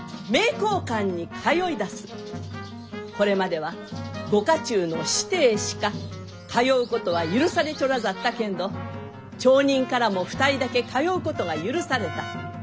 これまではご家中の子弟しか通うことは許されちょらざったけんど町人からも２人だけ通うことが許された。